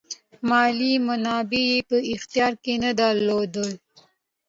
مالي منابع یې په اختیار کې نه درلودل.